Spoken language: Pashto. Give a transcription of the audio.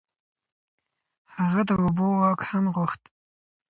هغه د اوبو واک هم غوښت.